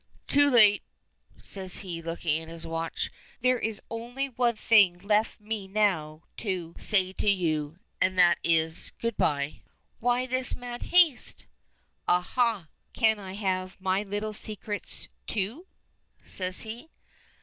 "Too late!" says he, looking at his watch. "There is only one thing left me now to, say to you, and that is, 'Good by.'" "Why this mad haste?" "Ah, ha! I Can have my little secrets, too," says he.